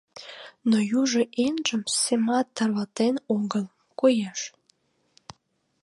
Но южо еҥжым семат тарватен огыл, коеш.